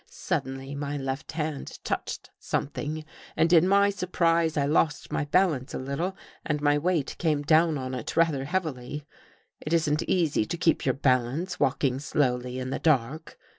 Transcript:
Suddenly | my left hand touched something and, in my sur | prise, I lost my balance a little and my weight I came down on it rather heavily. It isn't easy to |j keep your balance walking slowly in the dark.